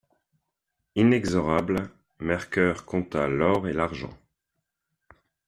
Inexorable, Mercœur compta l'or et l'argent.